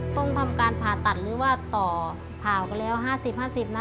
ต้องทำการผ่าตัดหรือว่าต่อผ่ากันแล้ว๕๐๕๐นะ